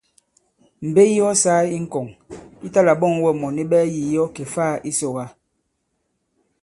Mbe yi ɔ sāa i ŋkɔ̀ŋ yi ta-là-ɓɔ᷇ŋ wɛ mɔ̀ni ɓɛɛ yî yi ɔ kè-faā i Sòkà.